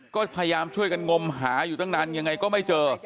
ก็พยายามช่วยกันงมหาอยู่ตั้งนานยังไงก็ไม่เจอ